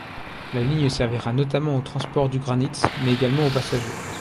La ligne servira notamment au transport du granite mais également aux passagers.